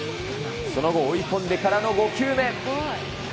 その後、追い込んでからの５球目。